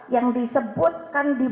yang disebutkan di